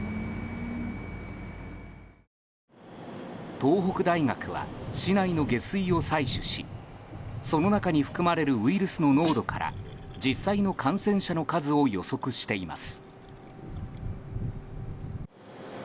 東北大学は市内の下水を採取しその中に含まれるウイルスの濃度から実際の感染者の数を予測しています。